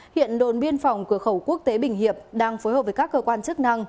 hiện đồn biên phòng cửa khẩu quốc tế bình hiệp đang phối hợp với các cơ quan chức năng